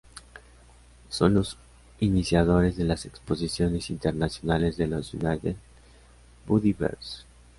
Son los iniciadores de las exposiciones internacionales de los United Buddy Bears.